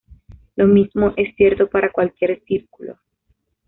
Lo mismo es cierto para cualquier círculo.